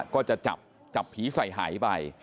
ก็จะจับผีใส่หายไป